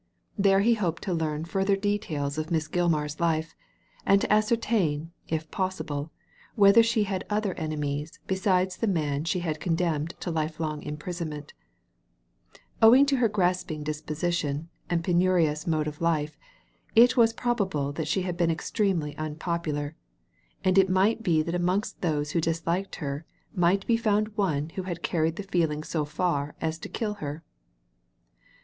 There he hoped to learn further details of Miss Gilmar's life, and to ascer tain, if possible, whether she had other enemies besides the man she had condemned to lifelong imprisonment Owing to her grasping disposition and penurious mode of life, it was probable that she had been extremely unpopular, and it might be that amongst those who disliked her might be found one who had carried the feeling so far as to kill her.